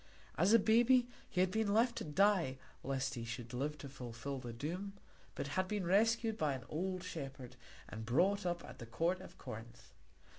As a baby he had been left to die lest he should live to fulfil the doom, but had been rescued by an old shepherd and brought up at the court of Corinth.